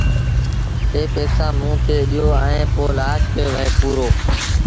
اي پئيٚسآ موݩ کي ڏيو ائيٚݩ پو لآش کي وهي پورو